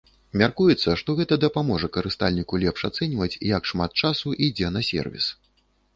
Мяркуецца, што гэта дапаможа карыстальніку лепш ацэньваць, як шмат часу ідзе на сервіс.